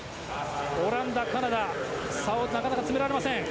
オランダ、カナダ差をなかなか詰められません。